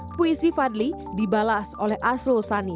puisi fadli dibalas oleh asro usani